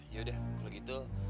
ya udah kalau gitu